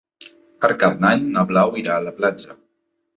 Per Cap d'Any na Blau irà a la platja.